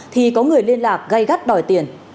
thì có người liên lạc gây gắt đòi tiền